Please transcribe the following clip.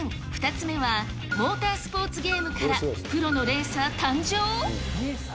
２つ目は、モータースポーツゲームから、プロのレーサー誕生？